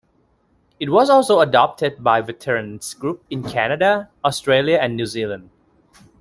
It was also adopted by veterans' groups in Canada, Australia and New Zealand.